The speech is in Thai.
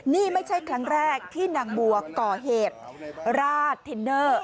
นี่ไม่ใช่ครั้งแรกที่นางบัวก่อเหตุราดทินเนอร์